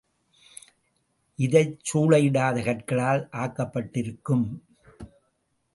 இது சூளையிடாத கற்களால் ஆக்கப்பட்டிருக்கும்.